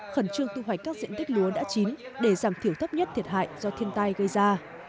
khẩn trương thu hoạch các diện tích lúa đã chín để giảm thiểu thấp nhất thiệt hại do thiên tai gây ra